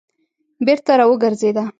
بېرته راوګرځېده.